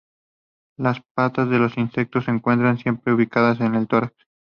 Las patas de los insectos se encuentran siempre ubicadas en el tórax.